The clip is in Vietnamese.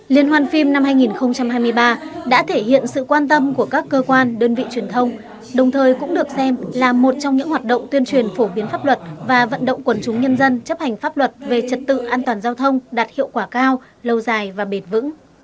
liên hoan phim năm hai nghìn hai mươi ba đã thể hiện sự quan tâm của các cơ quan đơn vị truyền thông đồng thời cũng được xem là một trong những hoạt động tuyên truyền phổ biến pháp luật và vận động quần chúng nhân dân chấp hành pháp luật về trật tự an toàn giao thông đạt hiệu quả cao lâu dài và bền vững